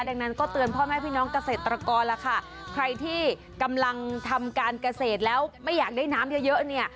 ดังนั้นก็เตือนพ่อแม่พี่น้องเกษตรกรล่ะค่ะใครที่กำลังทำการเกษตรแล้วไม่อยากได้น้ำเยอะเยอะเนี่ย